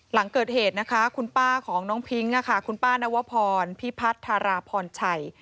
หลังเกิดเหตุนะคะคุณป้าของน้องพิ้งคุณป้านวพรพิพัฒนธาราพรชัย